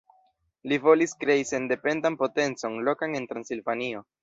Li volis krei sendependan potencon lokan en Transilvanio.